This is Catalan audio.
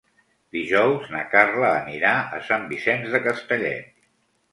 Dijous na Carla anirà a Sant Vicenç de Castellet.